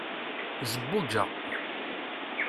zebbuǧa